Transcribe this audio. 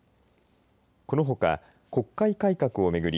このほか国会改革を巡り